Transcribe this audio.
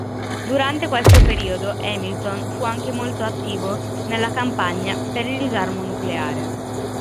Durante questo periodo Hamilton fu anche molto attivo nella Campagna per il disarmo nucleare.